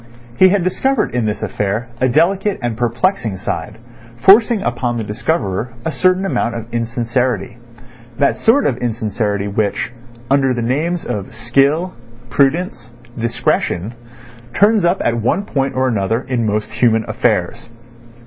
He had discovered in this affair a delicate and perplexing side, forcing upon the discoverer a certain amount of insincerity—that sort of insincerity which, under the names of skill, prudence, discretion, turns up at one point or another in most human affairs.